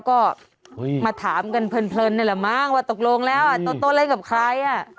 ก็มาถามกันเพลินนี่แหละมั้งว่าตกลงแล้วโตเล่นกับใคร